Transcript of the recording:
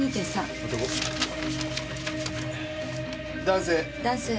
男性。